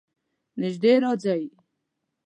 نژدې راځئ